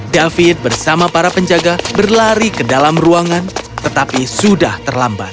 david bersama para penjaga berlari ke dalam ruangan tetapi sudah terlambat